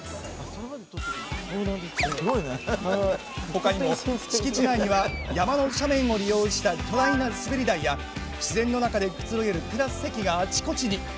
他にも、敷地内には山の斜面を利用した巨大な滑り台や自然の中でくつろげるテラス席があちこちに。